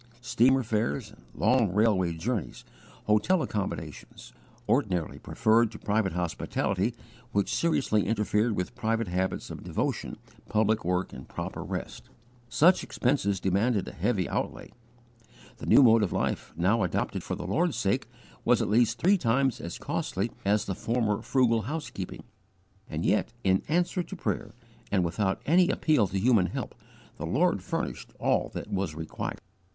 Steamer fares and long railway journeys; hotel accommodations, ordinarily preferred to private hospitality, which seriously interfered with private habits of devotion, public work, and proper rest such expenses demanded a heavy outlay; the new mode of life, now adopted for the Lord's sake, was at least three times as costly as the former frugal housekeeping; and yet, in answer to prayer and without any appeal to human help, the Lord furnished all that was required.